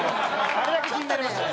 ・あれだけ気になりましたね・